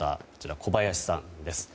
小林さんです。